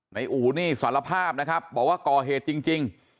อู๋นี่สารภาพนะครับบอกว่าก่อเหตุจริง